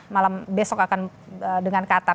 malam besok akan dengan kata